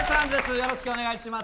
よろしくお願いします。